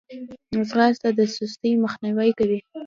ځغاسته د سستي مخنیوی کوي